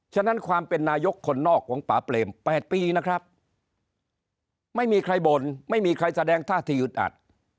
ฉะนั้นความเป็นนายกคนนอกของป่าเปรม๘ปีนะครับไม่มีใครบ่นไม่มีใครแสดงท่าที่อึดอัด